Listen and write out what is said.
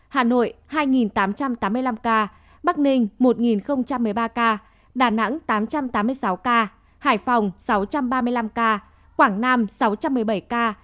hà nội hai tám trăm tám mươi năm ca bắc ninh một một mươi ba ca đà nẵng tám trăm tám mươi sáu ca hải phòng sáu trăm ba mươi năm ca quảng nam sáu trăm một mươi bảy ca